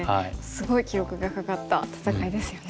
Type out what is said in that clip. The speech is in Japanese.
すごい記録がかかった戦いですよね。